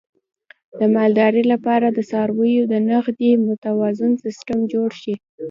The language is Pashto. د مالدارۍ لپاره د څارویو د تغذیې متوازن سیستم جوړ شي.